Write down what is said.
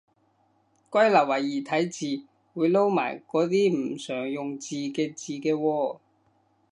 歸納為異體字，會撈埋嗰啲唔常用字嘅字嘅喎